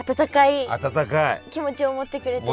温かい気持ちを持ってくれてる？